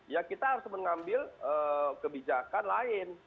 ya kita harus mengambil kebijakan lain